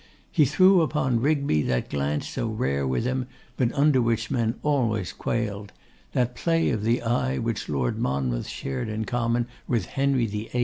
He threw upon Rigby that glance so rare with him, but under which men always quailed; that play of the eye which Lord Monmouth shared in common with Henry VIII.